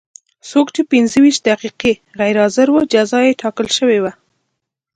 څوک چې پنځه ویشت دقیقې غیر حاضر و جزا یې ټاکل شوې وه.